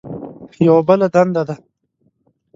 یوه بله دنده ده.